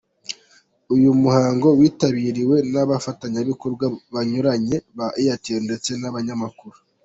Uyu muhango witabiriwe n'abafatanyabikorwa banyuranye ba Airtel ndetse n'abanyamakuru.